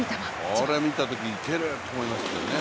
これ見たとき「いける」って思いましたね。